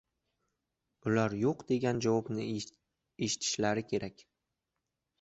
ular yo'q "degan javobni eshitishlari kerak